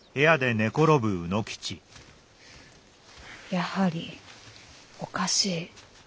やはりおかしい。